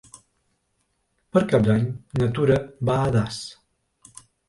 Per Cap d'Any na Tura va a Das.